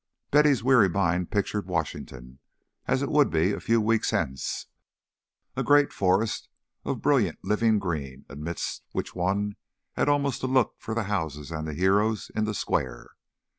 Betty's weary mind pictured Washington as it would be a few weeks hence, a great forest of brilliant living green amidst which one had almost to look for the houses and the heroes in the squares.